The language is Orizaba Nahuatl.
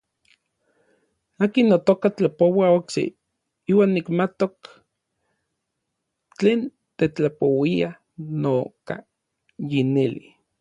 Akin noka tlapoua okse, iuan nikmatok tlen tetlapouia noka yineli.